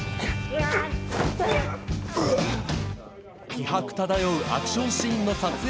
気迫漂うアクションシーンの撮影